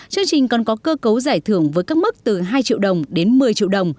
chương trình còn có cơ cấu giải thưởng với các mức từ hai triệu đồng đến một mươi triệu đồng